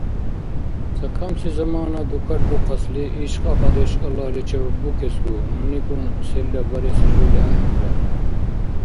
Ца камси замана дуракарухъасли иш кьакьадеш Аллагьли чебарбукесгу, нуникун селра барес рирули ахӀенра